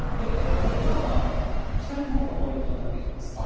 ここからは北日本がポイントになってきます。